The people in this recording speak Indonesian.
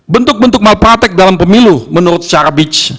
bentuk bentuk malpraktek dalam pemilu menurut syarabic